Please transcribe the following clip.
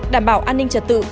đảm bảo an ninh trật tự